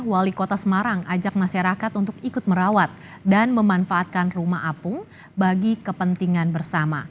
wali kota semarang ajak masyarakat untuk ikut merawat dan memanfaatkan rumah apung bagi kepentingan bersama